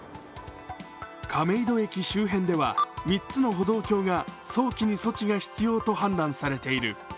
亀戸駅周辺では、３つの歩道橋が早期に措置が必要と判断されている。